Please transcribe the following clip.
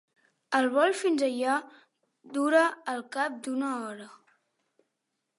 El vol fins allà dura al cap d'una hora.